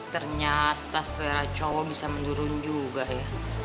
ternyata setelah cowok bisa menurun juga ya